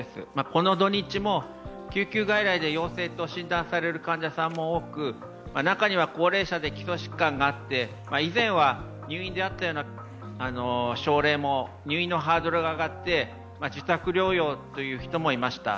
この土日も、救急外来で陽性と診断される患者さんも多く中には高齢者で基礎疾患があって以前は入院であったような症例も入院のハードルが上がって自宅療養という人もいました。